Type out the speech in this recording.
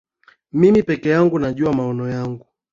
Mimi peke yangu najua maono yangu.